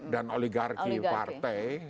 dan oligarki partai